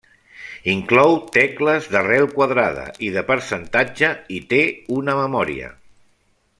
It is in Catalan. Inclou tecles d'arrel quadrada i de percentatge i té una memòria.